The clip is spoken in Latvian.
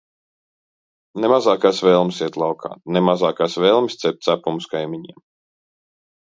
Ne mazākās vēlmes iet laukā, ne mazākās vēlmes cept cepumus kaimiņiem.